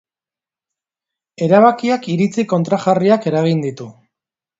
Erabakiak iritzi kontrajarriak eragin ditu.